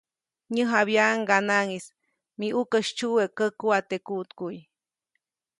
Nyäjabyaʼuŋ ŋganaʼŋ -¡mi ʼukä sytsyuwe, käkuʼa teʼ kuʼtkuʼy!‒